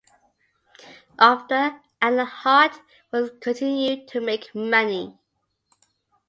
جو دل پہ گزرتی ہے رقم کرتے رہیں گے